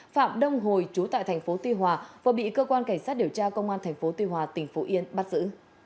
phạm đông hồi trú tại tp tuy hòa và bị cơ quan cảnh sát điều tra công an tp tuy hòa tỉnh phú yên bắt giữ